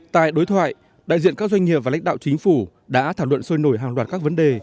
tại đối thoại đại diện các doanh nghiệp và lãnh đạo chính phủ đã thảo luận sôi nổi hàng loạt các vấn đề